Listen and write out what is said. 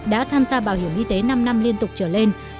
đã tham gia bảo hiểm y tế năm năm liên tục trở lên